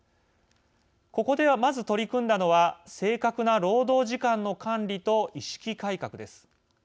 ここではまず取り組んだのは正確な労働時間の管理と意識改革です。